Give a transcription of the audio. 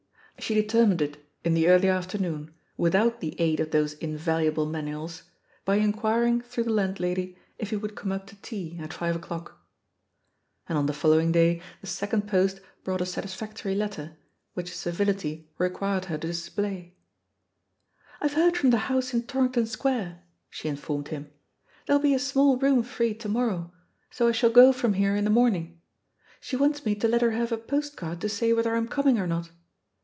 She determined it in the early afternoon, without the aid of those in valuable manuals, by inquiring through the land lady if he would come up to tea at five o'clock. And on the following day the second post brought a satisfactory letter, which civility re quired her to display. ' "IVe heard from the house in Torrington Square," she informed him; "there'll be a small room free to morrow, so I shall go from here in the morning. She wants me to let her have a postcard to say whether I'm coming, or not.